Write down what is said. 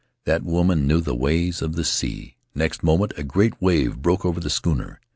That woman knew the ways of the sea; next moment a great wave broke over the schooner.